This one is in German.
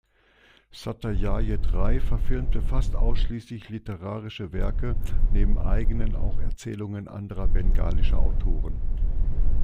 Satyajit Ray verfilmte fast ausschließlich literarische Werke, neben eigenen auch Erzählungen anderer bengalischer Autoren.